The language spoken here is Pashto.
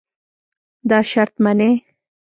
دا شرط منې.